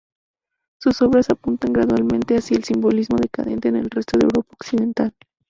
Sus obras apuntan gradualmente hacia un simbolismo decadente en el resto de Europa Occidental.